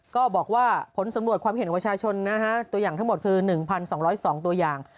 ก็บอกว่าผลสำรวจความเห็นของประชาชนนะฮะตัวอย่างทั้งหมดคือ๑๒๐๒ตัวอย่าง